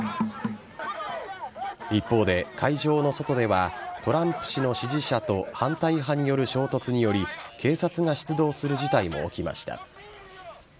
一方で、会場の外ではトランプ氏の支持者と反対派による衝突により警察が出動する事態も起きました。